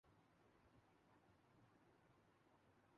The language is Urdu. ریٹنگ میں ممکنہ